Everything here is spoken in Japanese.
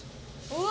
うわ！